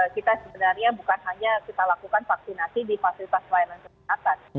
kita sebenarnya bukan hanya kita lakukan vaksinasi di fasilitas pelayanan kesehatan